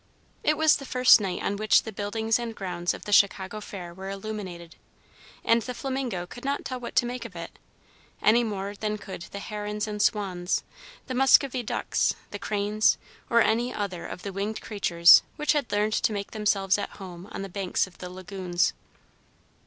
It was the first night on which the buildings and grounds of the Chicago Fair were illuminated, and the flamingo could not tell what to make of it, any more than could the herons and swans, the Muscovy ducks, the cranes, or any other of the winged creatures which had learned to make themselves at home on the banks of the lagoons.